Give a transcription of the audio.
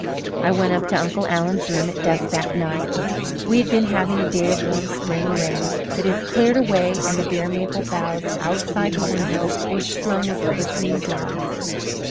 I went up to Uncle Alan's room at dusk that night. We had been having a day of warm spring rain, but it had cleared away and the bare maple boughs outside the window were strung with glistening drops.